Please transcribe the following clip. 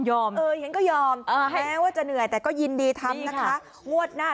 เห็นก็ยอมแม้ว่าจะเหนื่อยแต่ก็ยินดีทำนะคะงวดหน้า